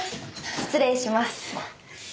失礼します。